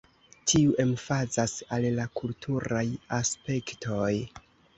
Tiu emfazas al la kulturaj aspektoj.